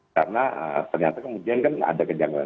karena ternyata kemudian kan ada kejanggalan